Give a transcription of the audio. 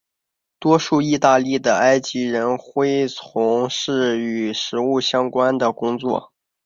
多数义大利的埃及人恢从事与食物有关的工作。